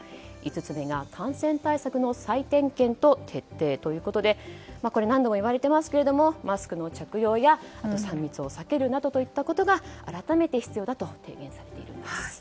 ５つ目が感染対策の再点検と徹底ということで何度も言われていますがマスクの着用や３密を避けるなどといったことが改めて必要だと提言されています。